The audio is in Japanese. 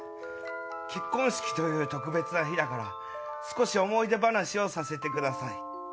結婚式という特別な日だから少し思い出話をさせてください。